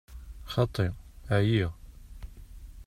Xaṭi, εyiɣ.